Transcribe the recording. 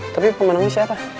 tapi pemenangnya siapa